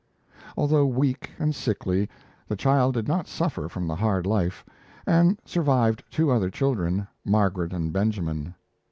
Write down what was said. Although weak and sickly, the child did not suffer from the hard life, and survived two other children, Margaret and Benjamin.